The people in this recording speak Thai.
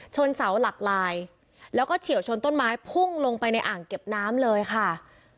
เสาหลักลายแล้วก็เฉียวชนต้นไม้พุ่งลงไปในอ่างเก็บน้ำเลยค่ะ